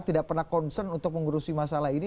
tidak pernah concern untuk mengurusi masalah ini